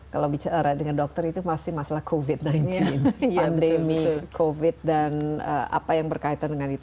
kalau bicara dengan dokter itu pasti masalah covid sembilan belas pandemi covid dan apa yang berkaitan dengan itu